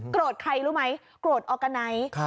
โกรธใครรู้ไหมโกรธออกาไนท์